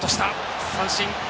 三振。